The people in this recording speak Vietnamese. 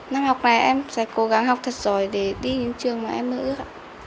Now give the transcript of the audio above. năm học này em sẽ cố gắng học thật rồi để đi những trường mà em mơ ước